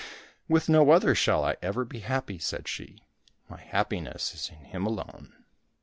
" With no other shall I ever be happy," said she ;" my happiness is in him alone